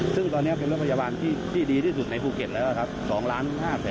ซึ่งตอนนี้เป็นรถพยาบาลที่ดีที่สุดในภูเก็ตแล้วครับ